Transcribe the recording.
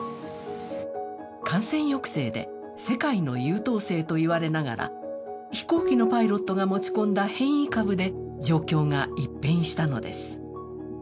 感染抑制で世界の優等生と言われながら飛行機のパイロットが持ち込んだ変異株で状況が一変したのです。